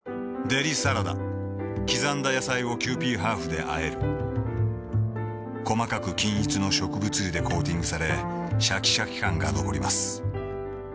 デリサラダ刻んだ野菜をキユーピーハーフであえる細かく均一の植物油でコーティングされシャキシャキ感が残ります